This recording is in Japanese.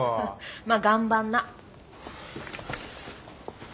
まあ頑張んな。